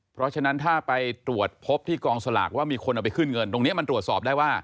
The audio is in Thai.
เพราะฉะนั้นถ้าไปตรวจพบที่กองสลากว่ามีคนเอาไปขึ้นเงินตรงนี้มันตรวจสอบได้ว่า